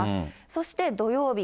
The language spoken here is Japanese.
そして土曜日。